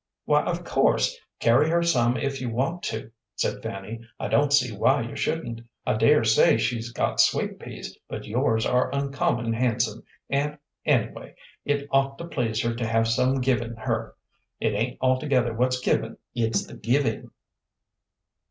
"Why, of course, carry her some if you want to," said Fanny. "I don't see why you shouldn't. I dare say she's got sweet peas, but yours are uncommon handsome, and, anyway, it ought to please her to have some given her. It ain't altogether what's given, it's the giving."